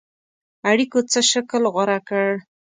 اړېکو څه شکل غوره کړ.